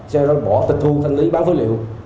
xe đó bỏ tịch thu thanh lý bán phối liệu